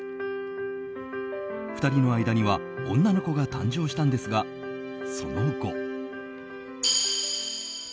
２人の間には女の子が誕生したんですがその後。